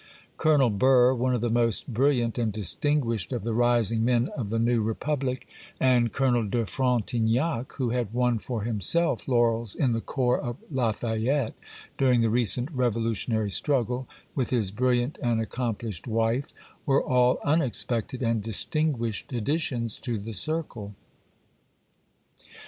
Colonel Burr, one of the most brilliant and distinguished of the rising men of the new republic, and Colonel de Frontignac, who had won for himself laurels in the corps of Lafayette during the recent revolutionary struggle, with his brilliant and accomplished wife, were all unexpected and distinguished additions to the circle.